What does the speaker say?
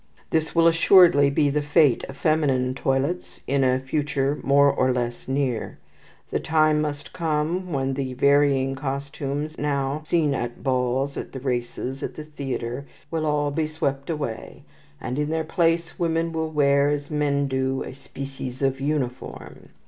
This will assuredly be the fate of feminine toilets in a future more or less near. The time must come when the varying costumes now seen at balls, at the races, at the theatre, will all be swept away; and in their place women will wear, as men do, a species of uniform.